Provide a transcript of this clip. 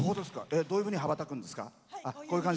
どういうふうに羽ばたくんですか。